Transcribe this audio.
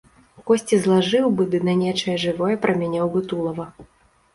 Косці злажыў бы ды на нечае жывое прамяняў бы тулава.